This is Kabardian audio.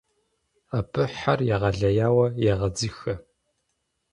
Абы хьэр егъэлеяуэ егъэдзыхэ.